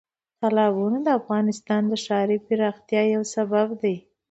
تالابونه د افغانستان د ښاري پراختیا یو سبب دی.